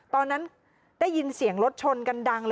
ตอนนั้นได้ยินเสียงรถชนกันดังเลย